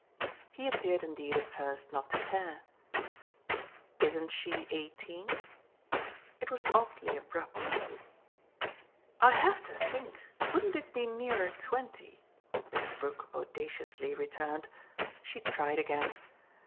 He appeared indeed at first not to care. "Isn't she eighteen?" it was oddly abrupt. "I have to think. Wouldn't it be nearer twenty?" Mrs. Brook audaciously returned. She tried again.